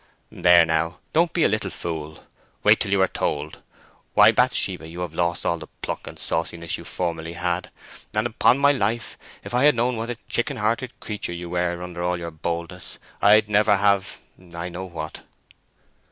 "There now, don't you be a little fool. Wait till you are told. Why, Bathsheba, you have lost all the pluck and sauciness you formerly had, and upon my life if I had known what a chicken hearted creature you were under all your boldness, I'd never have—I know what."